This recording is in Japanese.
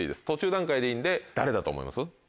途中段階でいいんで誰だと思います？